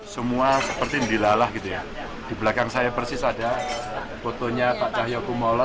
semua seperti dilalah gitu ya di belakang saya persis ada fotonya pak cahyokumolo